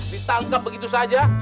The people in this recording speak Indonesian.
ditangkap begitu saja